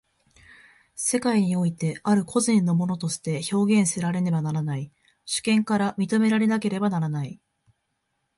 世界においてある個人の物として表現せられねばならない、主権から認められなければならない。